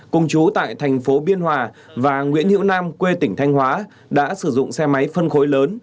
cùng chú tại thành phố biên hòa và nguyễn hữu nam quê tỉnh thanh hóa đã sử dụng xe máy phân khối lớn